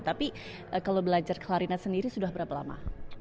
tapi kalau belajar klarina sendiri sudah berapa lama